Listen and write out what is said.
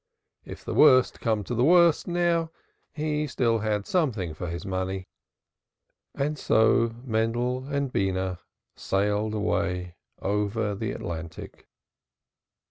If the worst come to the worst now, he had still had something for his money. And so Mendel and Beenah sailed away over the Atlantic.